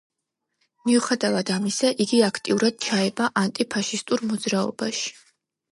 მიუხედავად ამისა, იგი აქტიურად ჩაება ანტიფაშისტურ მოძრაობაში.